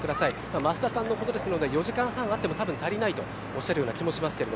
増田さんのことですので４時間半あっても足りないとおっしゃる気がしますけど。